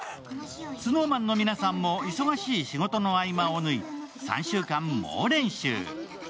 ＳｎｏｗＭａｎの皆さんも忙しい仕事の合間をぬい、３週間、猛練習。